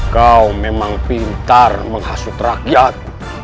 kau memang pintar menghasut rakyat